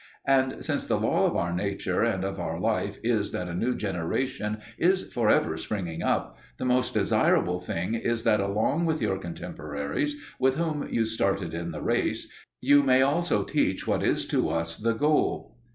And since the law of our nature and of our life is that a new generation is for ever springing up, the most desirable thing is that along with your contemporaries, with whom you started in the race, you may also teach what is to us the goal.